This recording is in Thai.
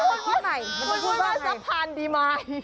เอาใหม่คุณพูดว่าซัพพาดีมาย